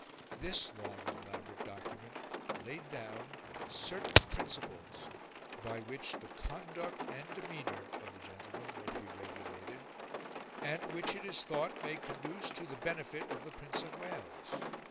This long and elaborate document laid down "certain principles" by which the "conduct and demeanour" of the gentlemen were to be regulated "and which it is thought may conduce to the benefit of the Prince of Wales."